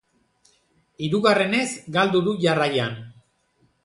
Hirugarrenez galdu du jarraian.